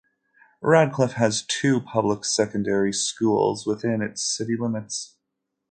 Radcliff has two public secondary schools within its city limits.